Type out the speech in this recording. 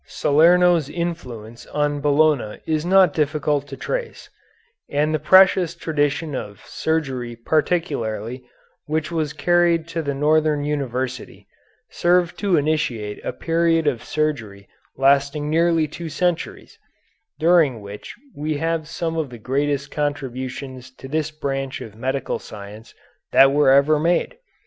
Salerno's influence on Bologna is not difficult to trace, and the precious tradition of surgery particularly, which was carried to the northern university, served to initiate a period of surgery lasting nearly two centuries, during which we have some of the greatest contributions to this branch of medical science that were ever made.